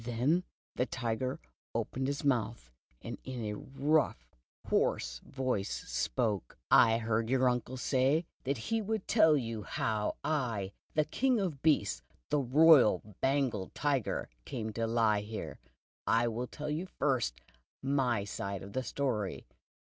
Then the Tiger opened his mouth, and in a rough, hoarse voice spoke : "I heard your uncle say that he would tell you how I, the king of beasts, the Royal Bengal Tiger came to lie here. I will tell you first my side of the story.